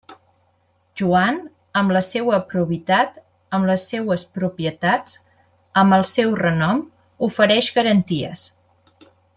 Joan, amb la seua probitat, amb les seues propietats, amb el seu renom, ofereix garanties.